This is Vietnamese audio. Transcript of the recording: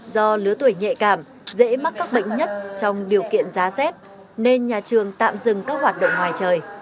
do lứa tuổi nhẹ cảm dễ mắc các bệnh nhất trong điều kiện giá rét nên nhà trường tạm dừng các hoạt động ngoài trời